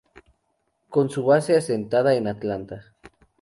Con su base asentada en Atlanta.